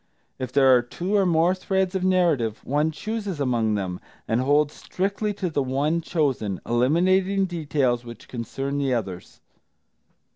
If there are two or more threads of narrative, one chooses among them, and holds strictly to the one chosen, eliminating details which concern the others.